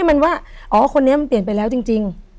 มันว่าอ๋อคนนี้มันเปลี่ยนไปแล้วจริง